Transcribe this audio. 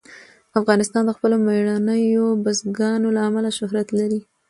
افغانستان د خپلو مېړنیو بزګانو له امله شهرت لري.